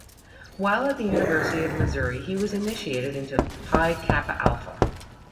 While at the University of Missouri, he was initiated into Pi Kappa Alpha.